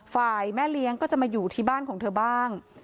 แม่เลี้ยงก็จะมาอยู่ที่บ้านของเธอบ้าง